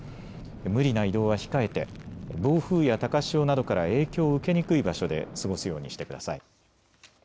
無理な移動は控えて暴風や高潮などから影響を受けにくい場所で過ごすようにしてください。